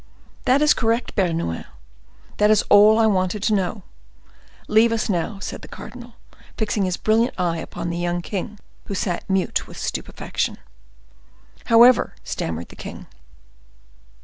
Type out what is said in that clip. "That is correct, Bernouin; that is all I wanted to know. Leave us now," said the cardinal, fixing his brilliant eye upon the young king, who sat mute with stupefaction. "However—" stammered the king.